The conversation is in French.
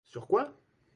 Sur quoi?